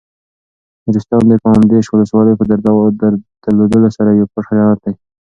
نورستان د کامدېش ولسوالۍ په درلودلو سره یو پټ جنت دی.